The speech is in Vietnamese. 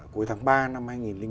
cuối tháng ba năm hai nghìn bảy